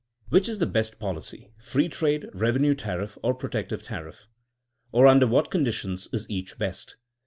Which is the best policy: free trade, revenite tariff, or protective tariff f Or under what con ditions is each best?